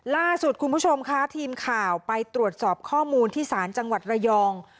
ล่าสุดคุณผู้ชมค่ะทีมข่าวไปตรวจสอบข้อมูลที่ศาลจังหวัดระยอง